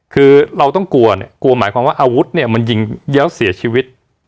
คือเราต้องกลัวเนี่ยกลัวหมายความว่าอาวุธเนี่ยมันยิงแล้วเสียชีวิต